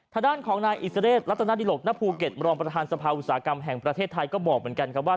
ทางด้านของนายอิสเรศรัตนาดิหลกณภูเก็ตรองประธานสภาอุตสาหกรรมแห่งประเทศไทยก็บอกเหมือนกันครับว่า